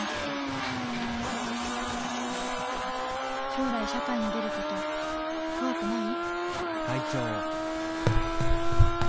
将来社会に出る事怖くない？